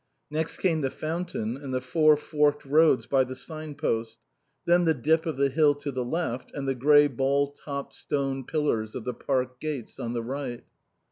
Next came the fountain and the four forked roads by the signpost, then the dip of the hill to the left and the grey ball topped stone pillars of the Park gates on the right.